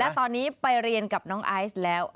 และตอนนี้ไปเรียนกับน้องไอซ์แล้ว